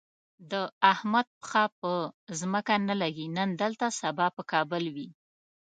د احمد پښه په ځمکه نه لږي، نن دلته سبا په کابل وي.